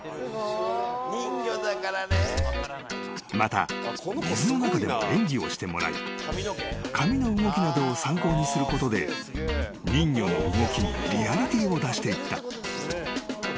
［また水の中で演技をしてもらい髪の動きなどを参考にすることで人魚の動きにリアリティーを出していった］